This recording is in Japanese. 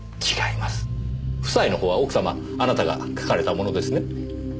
夫妻の方は奥様あなたが書かれたものですね？